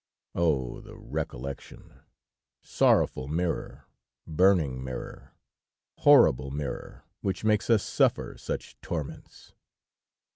Oh! the recollection! sorrowful mirror, burning mirror, horrible mirror, which makes us suffer such torments!